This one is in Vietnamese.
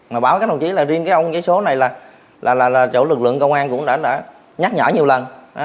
mà báo các đồng chí là riêng cái ông giấy số này là chỗ lực lượng công an cũng đã nhắc nhở nhiều lần